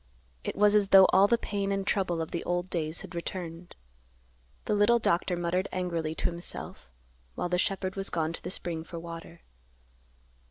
It was as though all the pain and trouble of the old days had returned. The little doctor muttered angrily to himself while the shepherd was gone to the spring for water.